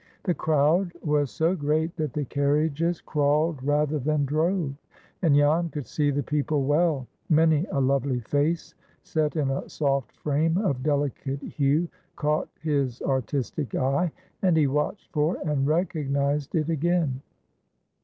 The crowd was so great that the carriages crawled rather than drove, and Jan could see the people well. Many a lovely face, set in a soft frame of delicate hue, caught his artistic eye, and he watched for and recognized it again.